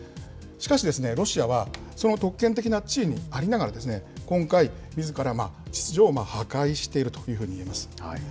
しかし、ロシアはその特権的な地位にありながら、今回、みずから秩序を破壊しているというふうにいえます。